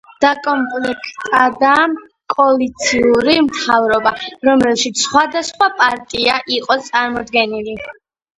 დაკომპლექტდა კოალიციური მთავრობა, რომელშიც სხვადასხვა პარტია იყო წარმოდგენილი.